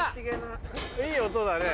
いい音だね。